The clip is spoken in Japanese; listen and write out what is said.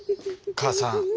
母さん。